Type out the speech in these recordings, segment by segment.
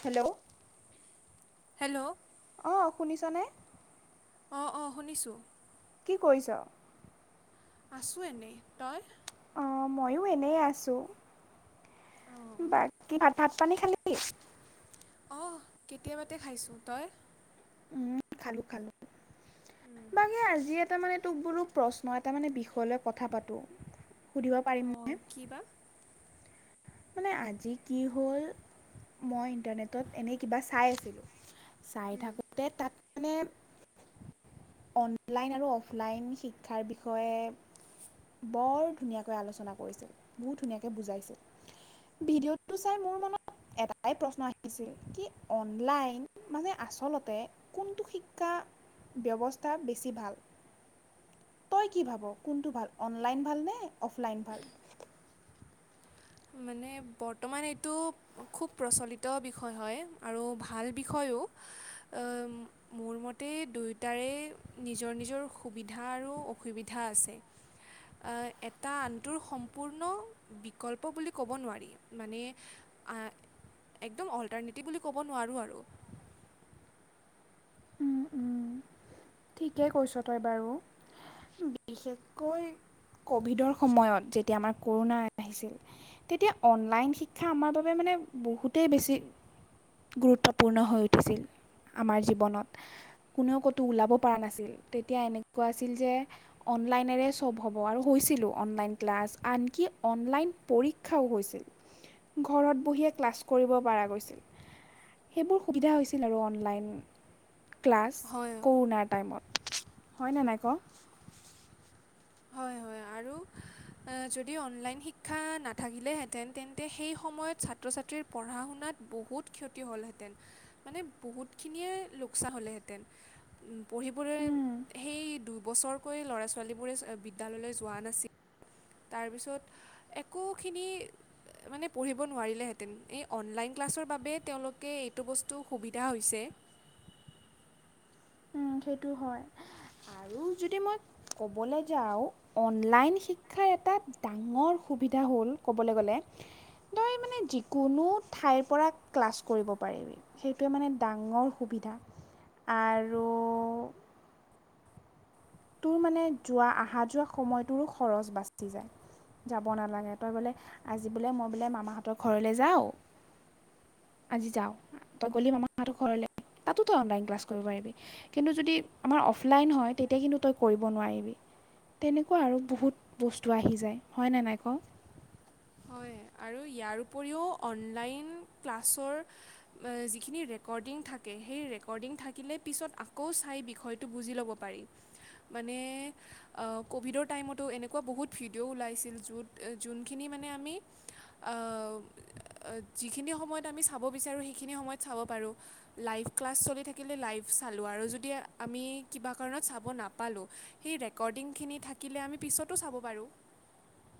Hello hello অহ' শুনিছনে? অ' অ' শুনিছোঁ। কি কৰিছোঁ। আছোঁ এনেই, তই? অ' মইয়ো এনেই আছোঁ। অঁ বাকী ভাত ভাত পানী খালি? অহ' কেতিয়াবাতে খাইছোঁ। তই? উম, খালোঁ, খালোঁ। বাকী আজি এটা মানে তোক বোলোঁ প্ৰশ্ন এটা মানে বিষয় লৈ কথা পাতোঁ। সুধিব অঁ পাৰিমনে? কি বা মানে আজি কি হ'ল মই ইণ্টাৰনেটত এনেই কিবা চাই আছিলোঁ। চাই থাকোঁতে তাত মানে অনলাইন আৰু অফলাইন শিক্ষাৰ বিষয়ে বৰ ধুনীয়াকৈ আলোচনা কৰিছে বহুত ধুনীয়াকৈ বুজাইছে। ভিডিঅ'টো চাই মোৰ মনত এটাই প্ৰশ্ন আহিছিল কি অনলাইন মানে আচলতে কোনটো শিক্ষা ব্যৱস্থা বেছি ভাল। তই কি ভাব কোনটো ভাল? অনলাইন ভালনে, অফলাইন ভাল? মানে বৰ্তমান এইটো খুব প্ৰচলিত বিষয় হয় আৰু ভাল বিষয় টো অ' মোৰ মতে দুয়োটাৰে নিজৰ নিজৰ সুবিধা আৰু টো অসুবিধা আছে। অ' এটা আনটোৰ সম্পন্ন বিকল ল্প বুলি ক'ব নোৱাৰি মানে এ একদম অল্টাৰনেটিভ বুলি ক'ব নোৱাৰোঁ আৰু। [inaudible] উম, উম, ঠিকেই কৈছ তই বাৰু! বিশেষকৈ কভিডৰ সময়ত যেতিয়া আমাৰ ক'ৰোণা আহিছিল। তেতিয়া অনলাইন শিক্ষা আমাৰ বাবে মানে বহুতেই বেছি গুৰুত্বপূৰ্ণ হৈ উঠিছিল আমাৰ জীৱনত, কোনেও ক'তো ওলাব পাৰা নাছিল। তেতিয়া এনেকুৱা আছিল যে অনলাইনেৰে চব হ'ব আৰু হৈছিলো অনলাইন ক্লা ছ, আনকি অনলাইন পৰীক্ষাও হৈছিল। ঘৰত বহিয়ে ক্লাছ কৰিব পাৰা গৈছিল। সেইবোৰ সুবিধা হৈছিল আৰু অনলাইন ক্লাছ হয় ক'ৰোণাৰ টাইমত, হয়নে নাই ক? হয় হয় আৰু [inaudible] যদি অনলাইন শিক্ষা নাথাকিলেহেঁতেন তেন্তে সেই সময়ত ছাত্ৰ ছাত্ৰীৰ পঢ়া শুনাত ব বহুত ক্ষতি হ'লহেঁতেন মানে বহুতখিনিয়ে লোকচান হ'লেহেঁতেন। উম পঢ়িবলৈ ক সেই দুবছৰকৈ ল'ৰা ছোৱালীবোৰে বিদ্যালয়লৈ যোৱা নাছিল। তাৰপিছত একোখিনি মানে পঢ়িব নোৱাৰিলেহেঁতেন। এই অনলাইন ক্লাছৰ বাবে তেওঁলোকে এইটো বস্তু সুবিধা হৈছে। [inaudible] উম, সেইটো হয় আৰু যদি মই ক'বলৈ যাওঁ অনলাইন শিক্ষা শিক্ষাৰ এটা ডাঙৰ সুবিধা হ'ল ক'বলে গ'লে। তই মানে যিকোনো ঠাইৰ পৰা ক্লাছ কৰিব পাৰিবি, সেইটোৱে মানে ডাঙৰ সুবি আৰু তোৰ মানে যোৱা, আহা যোৱা সময়টোৰো খৰচ বাচি যায়। যাব নালাগে, তই বোলে আজি বোলে মই বোলে মামাহঁতৰ ঘৰলৈ যাওঁ আজি যাওঁ, তই গলি মামাহঁতৰ ঘৰলে। তাতো তই অনলাইন ক্লাছ কৰিব পাৰিবি, কিন্তু যদি আমাৰ অফলাইন হয় তেতিয়া কিন্তু তই কৰিব নোৱাৰিবি। তেনেকুৱা আৰু বহুত বস্তু আহি যায়, হয়নে নাই কওঁ? হয় আৰু ইয়াৰ উপৰিও অনলাইন ক্লাছৰ যিখিনি ৰেকৰ্ডিং থাকে সেই ৰেকৰ্ডিং থাকিলে পিছত আকৌ চাই বিষয়টো বুজি ল'ব পাৰি। মানে ক'ভিডৰ টাইমতো এনেকুৱা বহুত ভিডিঅ' ওলাইছিল, য'ত যোনখিন মানে আমি আ যিখিনি সময়ত আমি চাব বিচাৰো সেইখিন সময় চাব পাৰোঁ, লাইফ। ক্লাছ চলি থাকিলে লাইফ চালোঁ আৰু যদি আমি কিবা কাৰণত চাব নাপালোঁ, সেই ৰেকৰ্ড ৰেকৰ্ডিংখিনি থাকিলে আমি পিছতো চাব পাৰো।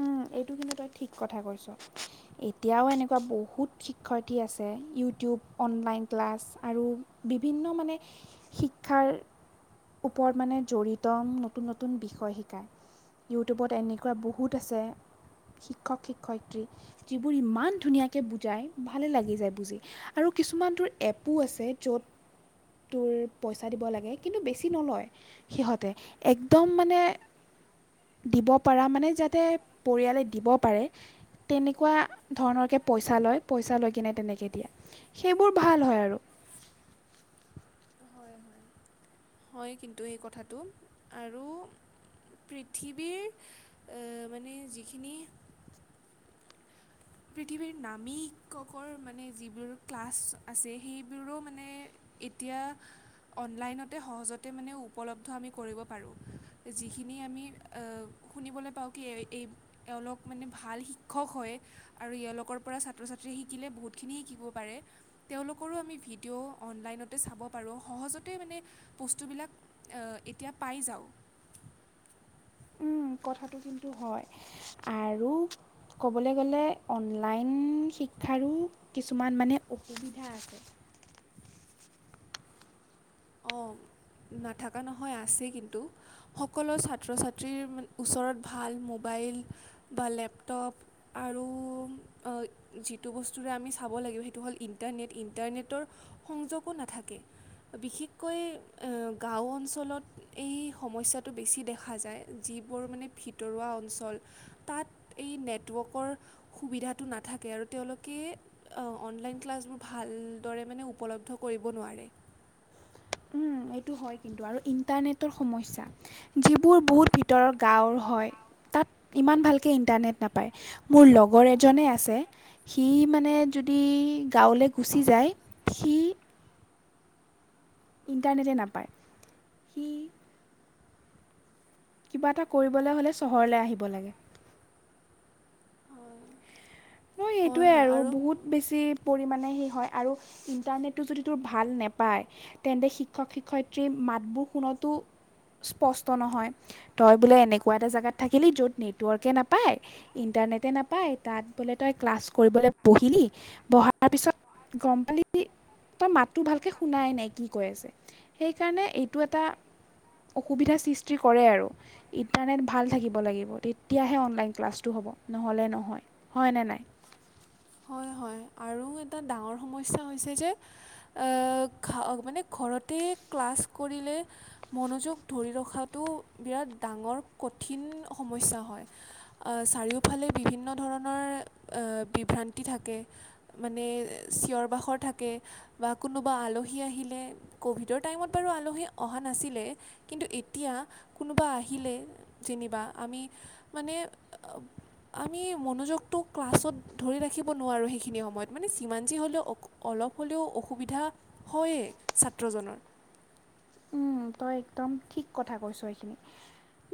উ। এইটো কিন্তু তই ঠিক কথা কৈছ। এতিয়াও এনেকুৱা বহুত শিক্ষয়িত্ৰী আছে ইউটিউব, অনলাইন ক্লাছ আৰু বিভিন্ন মানে শিক্ষাৰ ওপৰত মানে জড়িত নতুন-নতুন বিষয় শিকায়। ইউটিউবত এনেকুৱা বহুত আছে। শিক্ষক শিক্ষয়িত্ৰী যিবোৰ ইমান ধুনীয়াকে বুজায়, ভালে লাগি যায় বুজি আৰু কিছু কিছুমান তোৰ এপো আছে, য'ত তোৰ পইচা দিব লাগে। কিন্তু বেছি নলয় সিহঁতে একদম মানে দিব পৰা মানে যাতে পৰিয়ালে দিব পাৰে তেনেকুৱা ধৰণৰকে পইচা লয় পইচা লৈ কিনে তেনেকে দিয়ে, সেইবোৰ ভাল হয় আৰু। [inaudible] হয়, কিন্তু এই কথাটো আৰু পৃথিৱীৰ এ মানে যিখিনি পৃথিৱীৰ নামিককৰ মানে যিবোৰ ক্লাছ আছে, সেইবোৰো মানে এতিয়া অনলাইনতে সহজতে মানে উপলব্ধ আমি কৰিব পাৰো। যিখিনি আমি অ শুনিবলৈ পাওঁ কি এওঁলোক মানে ভাল শিক্ষক হয় আৰু এওঁলোকৰ পৰা ছাত্ৰ ছাত্ৰীয়ে শিকিলে বহুতখিনি শিকিব পাৰে, তেওঁলোকৰো আমি ভিডিঅ' অনলাইন নতে চাব পাৰোঁ সহজতে মানে বস্তুবিলাক অ এতিয়া পায় যাওঁ। উম কথাটো কিন্তু হয়, আৰু ক'বলে গলে অনলাইন শিক ক্ষাৰো কিছুমান মানে অসুবিধা আছে। অহ। নাথকা নহয় আছেই কিন্তু, সকলো ছাত্ৰ ছাত্ৰীৰ মানে ওচৰত ভাল মোবাইল মোবাইল বা লেপটপ আৰু অ যিটো বস্তুৰে আমি চাব লাগে সেইটো হ'ল ইণ্টাৰনেট, ইণ্টাৰনেটৰ সংযোগো নাথাকে বিশেষ কৈ গাঁও অঞ্চলত এই সমস্যাটো বেছি দেখা যায় যিবোৰ মানে ভিতৰুৱা অঞ্চল তাত এই নেটৱৰ্কৰ সুবিধাটো নাথাকে আৰু তেওঁলোকে কে অঁ অনলাইন ক্লাছবোৰ ভালদৰে মানে উপলব্ধ কৰিব নোৱাৰে। [inaudible] এইটো হয় কিন্তু আৰু ইণ্টাৰনেটৰ সমস্যা, যিবোৰ বহুত ভিতৰৰ গাঁৱৰ হয় তাত ইমান ভালকৈ ইণ্টাৰনেট নাপায়, মোৰ লগৰ এজনে আছে সি মানে যদি গাঁৱলৈ গুচি যায়, সি ইণ্টাৰনেটে নাপায় সি কিবা এটা কৰিবলৈ হ'লে চহৰলৈ আহিব লাগে। [unintelligible] হয় সেইটোৱে হয় আৰু বহুত বেছি পৰিমাণে সেই হয়, আৰু ইণ্টাৰনেটটো যদি তোৰ ভাল নোপায় তেন্তে শিক্ষক শিক্ষয়িত্ৰী মাতবোৰ শুনতো স্পষ্ট নহয় তই বোলে এনেকুৱা এটা জেগাত থাকিলি য'ত নেটৱৰ্কে নাপায় [unintelligible] নাপায় তাত বোলে তই ক্লাছ কৰিবলৈ বহিলি, বহাৰ পিছত গম পালি তাৰ মাতটো ভালকে শুনাই নাই কি কৈ আছে, সেইকাৰণে এইটো এটা অসুবিধাৰ সৃষ্টি কৰে আৰু ইণ্টাৰনেট ভাল থাকিব লাগিব তেতিয়াহে অনলাইন ক্লাছটো হ'ব। নহলে নহয়, হয় নে নাই? হয় হয় আৰু এটা ডাঙৰ সমস্যা হৈছে যে মানে ঘৰতে ক্লাছ মনোযোগ ধৰি ৰখাটো বিৰাট ডাঙৰ কঠিন সমস্যা চাৰিওফালে বিভিন্ন ধৰণৰ বিভ্ৰান্তি থাকে মানে চিঞৰ বাখৰ থাকে বা কোনোবা আলহী আহিলে, কভিডৰ টাইমত আৰু আলহী অহা নাছিলে কিন্তু এতিয়া কোনোবা আহিলে যেনিবা আমি মানে আমি মনোযোগটো ক্লাছত ধৰি ৰাখিব নোৱাৰো সেইখিনি সম সময়ত মানে যিমান যি হ'লেও, অলপ হ'লেও অসুবিধা হয়েই ছাত্ৰজনৰ। উম, তই একদম ঠিক কথা কৈছ এইখিনি।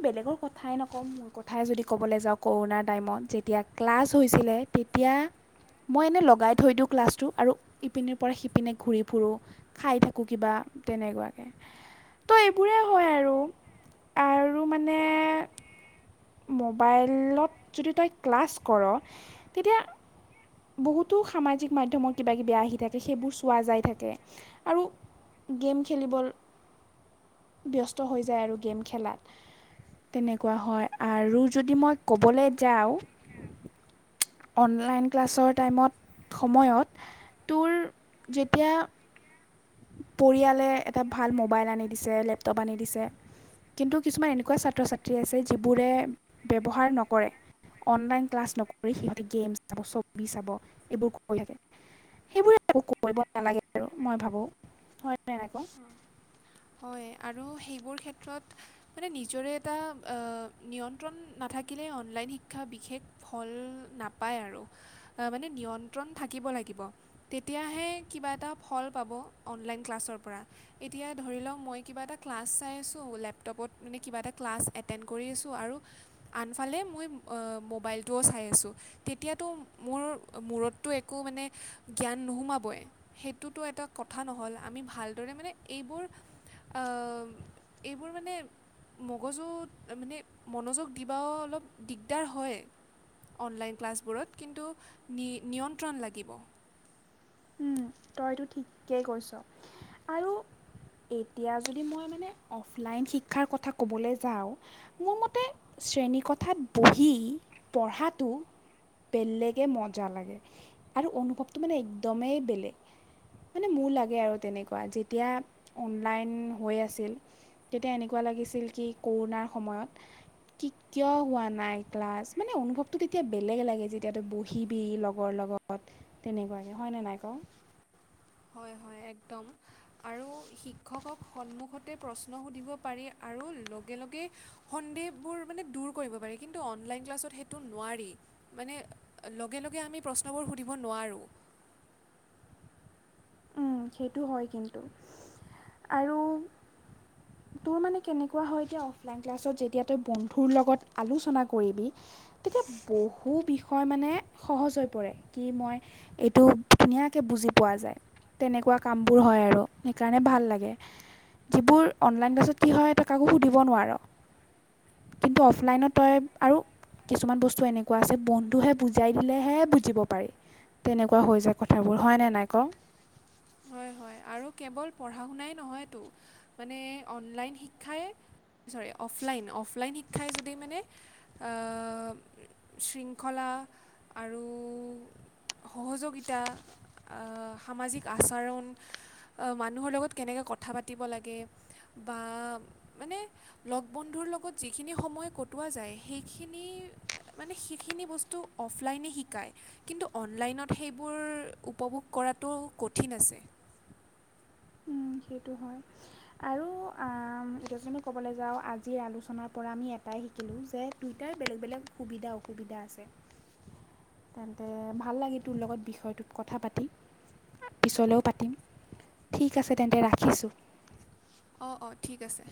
বেলেগৰ কথাই নকওঁ মোৰ কথাই যদি ক'বলৈ যাওঁ কৰোণাৰ টাইমত যেতিয়া ক্লাছ হৈছিলে এতিয়া মই এনেই লগাই থৈ দিওঁ ক্লাছটো আৰু ইপিনিৰ পৰা সিপিনে ঘূৰি ফুৰো খাই থাকো কিবা। তেনেকুৱাকে তই এইবোৰেই হয় আৰু আৰু মানে মোবাইলত যদি তই ক্লাছ কৰ তেতিয়া বহুতো সামাজিক মাধ্যমৰ কিবা কিবি আহি থাকে সেইবোৰ চোৱা যায় থাকে আৰু গেম খেলিব ব্যস্ত হৈ যায় আৰু গেম খেলাত তেনেকুৱা হয় আৰু যদি মই ক'বলে যাওঁ। অনলাইন ক্লাছৰ টাইমত সময়ত তোৰ যেতিয়া পৰিয়ালে এটা ভাল মোবাইল আনি দিছে লেপটপ আনি দিছে। কিন্তু কিছুমান এনেকুৱা ছাত্ৰ-ছাত্ৰী আছে যিবোৰে ব্যৱহাৰ নকৰে। অনলাইন ক্লাছ নকৰি সিহঁতে গেম চাব ছবি চাব এইবোৰ কৰি থাকে। সেইবোৰে এক কৰিব নালাগে আৰু মই ভাবো হয় নে নাই ক? হয় আৰু সেইবোৰ ক্ষেত্ৰত মানে নিজৰে এটা নিয়ন্ত্ৰণ নাকিলে অনলাইন শিক্ষা বিশেষ ফল নাপায় আৰু মানে নিয়ন্ত্ৰণ থাকিব লাগিব। তেতিয়াহে কিবা এটা ফল পাব অনলাইন ক্লাছৰ পৰা। এতিয়া ধৰি লওক মই কিবা এটা ক্লাছ চাই আছো লেপটপত মানে কিবা এটা ক্লাছ এটেণ্ড কৰি আছো আৰু আনফালে মই মোবাইলটোও চাই আছো তেতিয়াতো মোৰ মূৰতটো একো কো মানে জ্ঞান নোসোমাবই সেইটোতো এটা কথা নহ'ল আমি ভালদৰে মানে এইবোৰ আহ এইবোৰ মানে মগজুত মানে মনোজক দিবা অলপ দিগদাৰ হয়। অনলাইন ক্লাছবোৰত কিন্তু নিয়ন্ত্ৰণ লাগিব তইতো ঠিকেই কৈছ আৰু এতিয়া যদি মই মানে অফলাইন শিক্ষাৰ কথা ক'বলৈ যাওঁ মোৰ মতে শ্ৰেণীকথাত বহি পঢ়াটো বেলেগে মজা লাগে, আৰু অনুভৱটো মানে একদমেই বেলেগ। মানে মোৰ লাগে আৰু তেনেকুৱা, যেতিয়া অনলাইন হৈ আছিল তেতিয়া এনেকুৱা লাগে। কি আছিল কি কোৰোনাৰ সময়ত কি কিয় হোৱা নাই ক্লাছ, মানে অনুভৱতটো তেতিয়া বেলেগ লাগে যেতিয়া তই বহিবি ল'গৰ লগ লগত তেনেকুৱাকে হয়নে নাই কওঁ। হয়, হয় একদম আৰু শিক্ষকক সন্মুখতে প্ৰশ্ন সুধিব পাৰি আৰু লগে, লগে সন্দেহবোৰ মানে দূৰ কৰিব পাৰি, কিন্তু অনলাইন ক্লাছত সেইটো নোৱাৰি। মানে লগে, লগে আমি প্ৰশ্নবোৰ সুধিব নোৱাৰোঁ। [inaudible] উম, সেইটো হয় কিন্তু আৰু তোৰ মানে কেনেকুৱা হয় এতিয়া অফলাইন ক্লাছত যেতিয়া তই বন্ধুৰ লগত আলোচনা কৰিবি তেতিয়া বহু বিষয় মানে সহজ হৈ পৰে কি মই এইটো ধুনীয়া কে বুজি পোৱা যায়, তেনেকুৱা কামবোৰ হয় আৰু সেইকাৰণে ভাল লাগে। যিবোৰ অনলাইন ক্লাছত কি হয় তই কাকো সুধিব নোৱাৰা। কিন্তু অফলাইনত তই আৰু কিছুমান বস্তু এনেকুৱা আছে বন্ধুহে বুজাই দিলেহে বুজিব পাৰি। তেনেকুৱা হৈ যায় কথাবোৰ হয়নে নাই ক। হয় হয় আৰু কেৱল পঢ়া শুনাই নহয়তো মানে অনলাইন শিক্ষাই চৰি অফলাইন, অফলাইন শিক্ষাই যদি মানে শৃংখলা বা আৰু সহযোগিতা আ সামাজিক আচাৰণ [unintelligible] অ মানুহৰ লগত কেনেকে কথা পাতিব লাগে বা মানে লগ বন্ধুৰ লগত যিখিনি সময় কটোৱা যায় সেইখিনিৰ মানে সেইখিনি বস্তু অফলাইনে শিকায় কিন্তু অনলাইনত সেইবোৰ উপভোগ কৰ কৰাটো কঠিন আছে সেইটো হয় আৰু আ এতিয়া যদি ক'বলে যাওঁ আজিৰ আলোচনাৰ পৰা আমি এক তাই শিকিলোঁ যে টুইটাৰ বেলেগ বেলেগ সুবিধা অসুবিধা আছে। তেন্তে ভাল লাগে তোৰ লগত বিষয়টোত কথা পাতি। পিছলৈও পাতিম, ঠিক আছে তেন্তে ৰাখিছোঁ। অ', অ', ঠিক আছে।